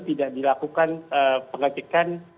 tidak dilakukan pengajekan